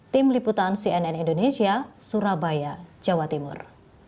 tim liputan cnn indonesia surabaya jawa timur